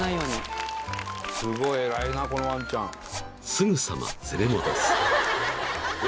［すぐさま連れ戻す］